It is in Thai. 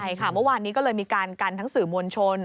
ใช่ค่ะเมื่อวานนี้ก็เลยมีการกันทั้งสื่อมวลชน